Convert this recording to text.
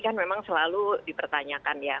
kan memang selalu dipertanyakan ya